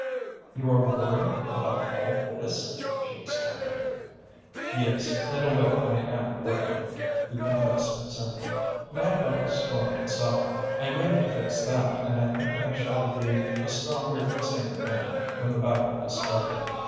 "You are worrying about all this!" she exclaimed. "Yes, in a way I am worrying," he confessed simply. "Not about the storm itself. I am ready to face that and I think I shall be a stronger and a saner man when the battle has started.